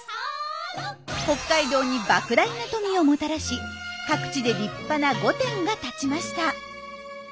北海道にばく大な富をもたらし各地で立派な御殿が建ちました。